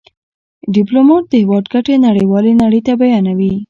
ډيپلومات د هېواد ګټې نړېوالي نړۍ ته بیانوي.